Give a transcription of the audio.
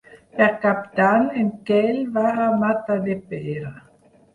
Per Cap d'Any en Quel va a Matadepera.